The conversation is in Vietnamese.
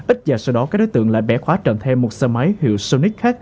ít giờ sau đó các đối tượng lại bẻ khóa trộm thêm một xe máy hiệu sonic h